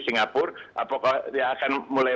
singapura apakah dia akan mulai